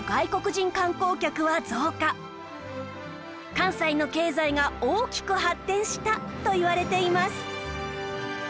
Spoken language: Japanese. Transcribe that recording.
関西の経済が大きく発展したといわれています